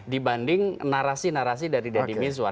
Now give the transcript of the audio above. dibanding narasi narasi dari deddy mizwar